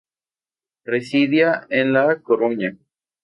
Residía en La Coruña.